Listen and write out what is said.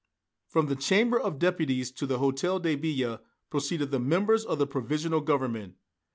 From the Chamber of Deputies to the Hôtel de Ville proceeded the members of the Provisional Government.